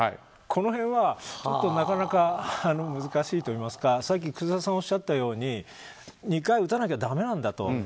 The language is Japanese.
この辺はなかなか難しいといいますかさっき楠田さんがおっしゃったように２回打たなきゃだめなんだと。